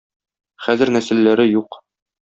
Хәзер нәселләре юк.